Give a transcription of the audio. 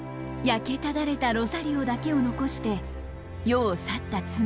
焼けただれたロザリオだけを残して世を去った妻。